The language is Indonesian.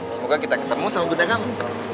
semoga kita ketemu sama bunda kamu